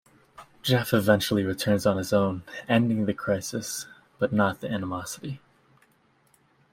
Jeff eventually returns on his own, ending the crisis, but not the animosity.